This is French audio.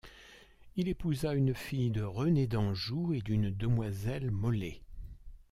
Il épousa une fille de René Danjou et d'une demoiselle Molé.